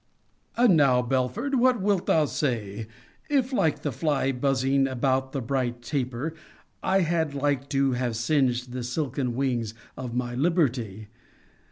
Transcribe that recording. ] And now, Belford, what wilt thou say, if, like the fly buzzing about the bright taper, I had like to have singed the silken wings of my liberty?